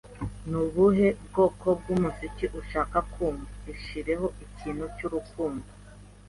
"Ni ubuhe bwoko bw'umuziki ushaka kumva?" "Ishyireho ikintu cy'urukundo."